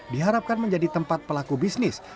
diharapkan menjadi tempat pelaku bisnis